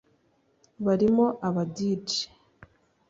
barimo aba Djs